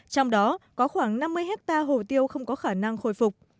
trong đó có khoảng năm mươi hectare hồ tiêu không có khả năng khôi phục